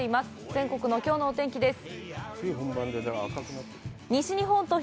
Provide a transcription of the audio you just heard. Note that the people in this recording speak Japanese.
全国のきょうのお天気です。